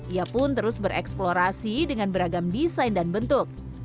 ia pun terus bereksplorasi dengan beragam desain dan bentuk